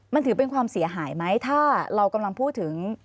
มันถือเป็นความเสียหายไหมถ้าเรากำลังพูดถึง